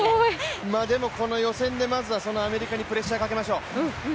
でも、この予選でまずはそのアメリカにプレッシャーをかけましょう。